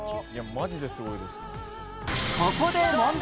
マジですごいですね。